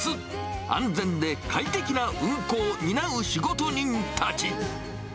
安全で快適な運行を担う仕事人たち。